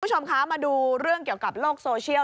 คุณผู้ชมคะมาดูเรื่องเกี่ยวกับโลกโซเชียล